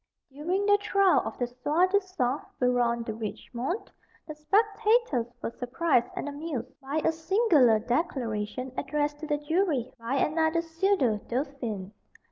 During the trial of the soi disant Baron de Richemont, the spectators were surprised and amused by a singular declaration addressed to the jury by another pseudo dauphin.